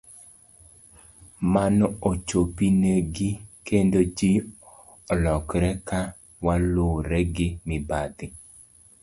Mano ochopi ne gi kendo ji olokre ka luwre gi mibadhi.